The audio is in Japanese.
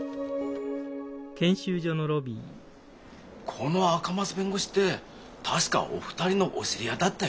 この赤松弁護士って確かお二人のお知り合いだったよない？